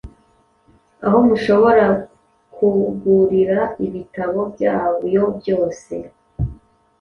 aho mushobora kugurira ibitabo byayo byose